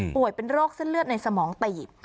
เป็นโรคเส้นเลือดในสมองตีบ